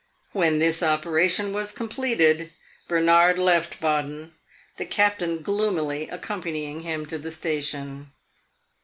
When this operation was completed, Bernard left Baden, the Captain gloomily accompanying him to the station.